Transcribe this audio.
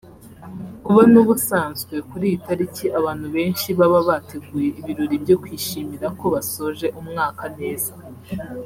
Kuba n’ubusanzwe kuri iyi tariki abantu benshi baba bateguye ibirori byo kwishimira ko basoje umwaka neza